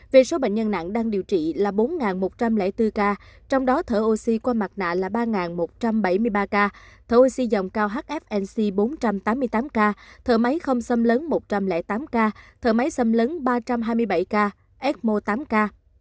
về số bệnh nhân nặng đang điều trị là bốn một trăm linh bốn ca trong đó thở oxy qua mặt nạ là ba một trăm bảy mươi ba ca thổi suy dòng cao hfnc bốn trăm tám mươi tám ca thở máy không xâm lấn một trăm linh tám ca thở máy xâm lấn ba trăm hai mươi bảy ca eo tám ca